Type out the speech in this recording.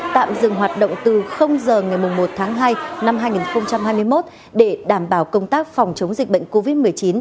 tạm dừng hoạt động từ giờ ngày một tháng hai năm hai nghìn hai mươi một để đảm bảo công tác phòng chống dịch bệnh covid một mươi chín